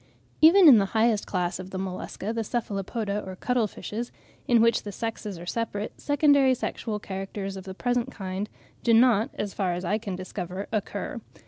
Even in the highest class of the Mollusca, the Cephalopoda or cuttle fishes, in which the sexes are separate, secondary sexual characters of the present kind do not, as far as I can discover, occur.